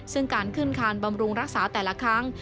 ซึ่งการขึ้นคานบำรุงรักษาแต่ละครั้ง